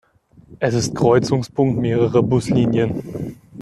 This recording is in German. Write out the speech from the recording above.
Es ist Kreuzungspunkt mehrerer Buslinien.